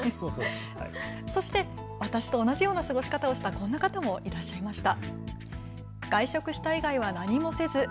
そして私と同じような過ごし方をしたこんな方もいらっしゃっいました。